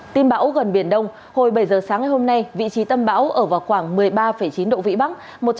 tin bão gần biển đông hồi bảy giờ sáng ngày hôm nay vị trí tâm bão ở vào khoảng một mươi ba chín độ vĩ bắc